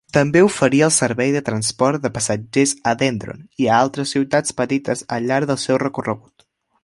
També oferia el servei de transport de passatgers a Dendron i a altres ciutats petites al llarg del seu recorregut.